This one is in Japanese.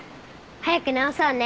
早く直そうね。